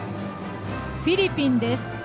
フィリピンです。